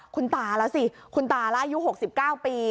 คุณตาล่ะสิคุณตาล่ะอายุหกสิบเก้าปี